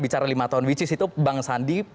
bicara lima tahun which is itu bang sandi